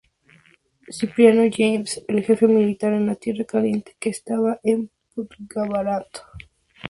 Cipriano Jaimes, el Jefe Militar en la Tierra Caliente que estaba en Pungarabato.